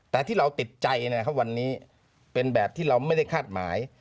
แต่ที่เราติดใจนะครับวันนี้เป็นแบบที่เราไม่ได้คาดหมาย